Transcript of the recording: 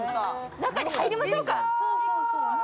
中に入りましょうか。